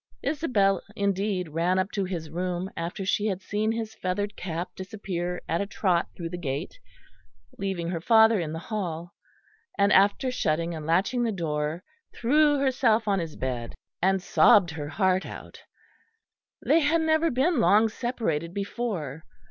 Isabel indeed ran up to his room, after she had seen his feathered cap disappear at a trot through the gate, leaving her father in the hall; and after shutting and latching the door, threw herself on his bed, and sobbed her heart out. They had never been long separated before.